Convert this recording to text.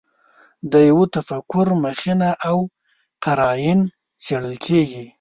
د یوه تفکر مخینه او قراین څېړل کېږي.